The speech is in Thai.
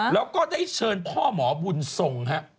แล้วก็ได้เชิญพ่อหมอบุญทรงฮะ